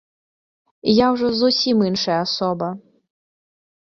І я ўжо зусім іншая асоба.